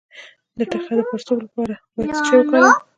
د تخه د پړسوب لپاره باید څه شی وکاروم؟